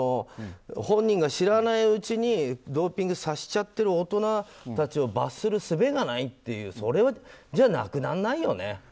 本人が知らないうちにドーピングさせちゃってる大人たちを罰するすべがないというそれは、なくならないよね。